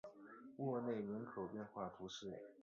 沃内人口变化图示